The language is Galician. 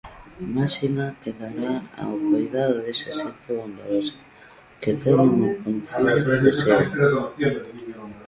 Maxina quedará ao coidado desa xente bondadosa que teñen un fillo de seu.